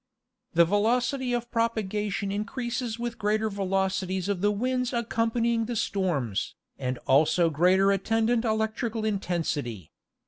The velocity of propagation increases with greater velocities of the winds accompanying the storms, with also greater attend ant electrical intensity.